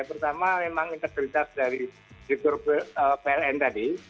pertama memang integritas dari fitur pln tadi